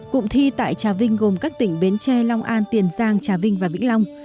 cụm thi tại trà vinh gồm các tỉnh bến tre long an tiền giang trà vinh và vĩnh long